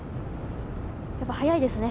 やっぱ速いですね。